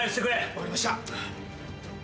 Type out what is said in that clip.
分かりました。